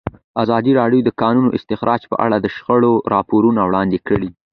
ازادي راډیو د د کانونو استخراج په اړه د شخړو راپورونه وړاندې کړي.